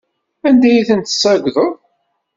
Anda ay tent-tessagdeḍ?